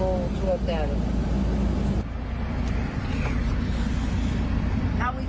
เราจะไปโอเตลไม่เป็นไร